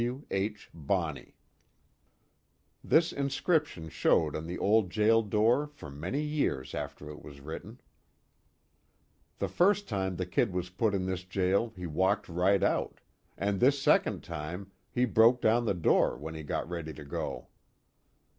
W. H. Bonney." This inscription showed on the old jail door for many years after it was written. The first time the "Kid" was put in this jail he walked right out, and this second time, he broke down the door when he got ready to go.